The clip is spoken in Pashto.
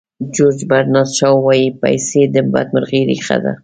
جیورج برنارد شاو وایي پیسې د بدمرغۍ ریښه ده.